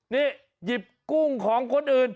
นี่หยิบกุ้งของคนอื่น